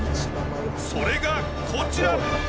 それがこちら！